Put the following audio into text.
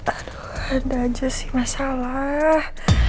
aduh ada aja sih masalah